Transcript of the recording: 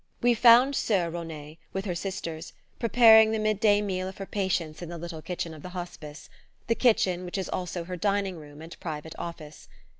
We found Soeur Rosnet, with her Sisters, preparing the midday meal of her patients in the little kitchen of the Hospice: the kitchen which is also her dining room and private office.